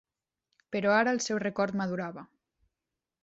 Però ara el seu record madurava.